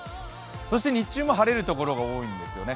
そして日中も晴れるところが多いんですよね。